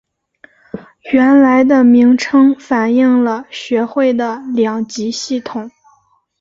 原来的名称反应了学会的两级系统。